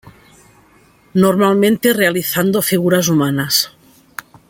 Normalmente realizando figuras humanas.